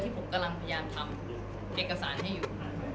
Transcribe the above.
ผมกำลังพยายามทำเอกสารให้อยู่